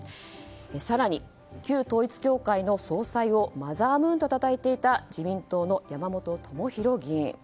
更に旧統一教会の総裁をマザームーンとたたえていた自民党の山本朋広議員。